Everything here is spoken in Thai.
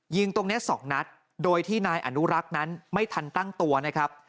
ตรงนี้สองนัดโดยที่นายอนุรักษ์นั้นไม่ทันตั้งตัวนะครับ